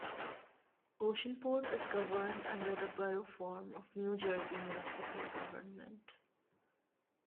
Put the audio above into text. Oceanport is governed under the Borough form of New Jersey municipal government.